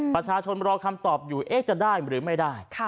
ประชาชนรอคำตอบอยู่จะได้หรือไม่ได้